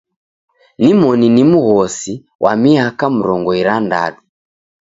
Nimoni ni mghosi, wa miaka mrongo irandadu.